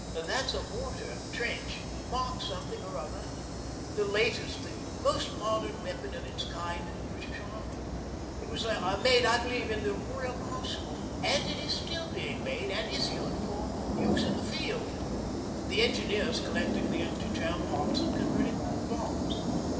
'That's a Mortar, Trench, Mark Something or other the latest, the most modern weapon of the kind in the British Army. It was made, I believe, in the Royal Arsenal, and it is still being made and issued for use in the field the Engineers collecting the empty jam pots and converting them to bombs.